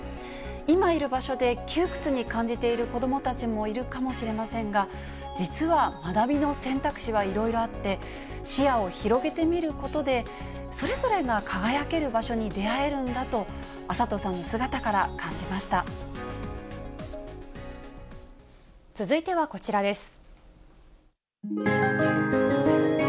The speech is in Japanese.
今いる場所で窮屈に感じている子どもたちもいるかもしれませんが、実は学びの選択肢はいろいろあって、視野を広げてみることで、それぞれが輝ける場所に出会えるんだと、暁里さんの姿から感じま続いてはこちらです。